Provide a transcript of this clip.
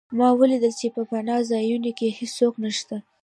ما ولیدل چې په پناه ځایونو کې هېڅوک نشته